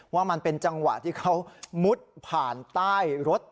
ว่ามันเป็นจังหวะที่เขามุดผ่านใต้รถ